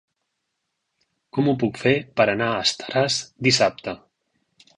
Com ho puc fer per anar a Estaràs dissabte?